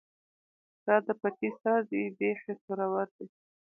ـ دا دې پټي سر دى ،بېخ يې سورور دى.